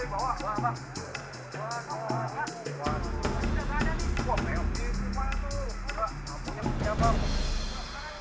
wah belakangnya sih pak tuh